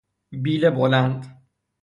بیل بلند